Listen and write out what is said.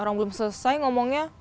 orang belum selesai ngomongnya